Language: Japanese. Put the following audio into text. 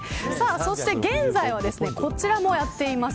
そして現在はこちらもやっています。